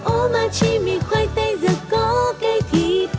omachi mì khoai tây giờ có cây thịt